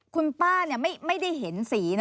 คุณป้าไม่ได้เห็นสีนะ